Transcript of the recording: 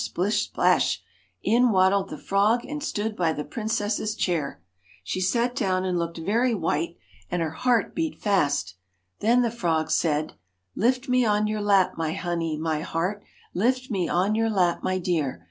splish, splash 1 in PRINCE Addled the frog and stood by the princess's chair. She sat down and looked very white, and her heart beat fast. Then the frog said * Lift me on your lap, my honey, my heart, Lift me on your lap, my dear.